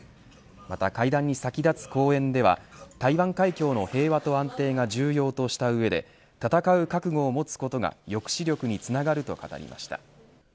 また、会談に先立つ講演では台湾海峡の平和と安定が重要とした上で戦う覚悟を持つ事が抑止力につながると語りました。